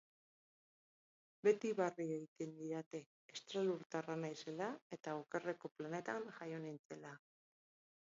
Beti barre egiten didate, estralurtarra naizela, eta okerreko planetan jaio nintzela!